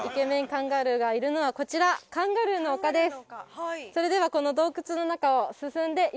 カンガルーがいるのはこちらカンガルーの丘です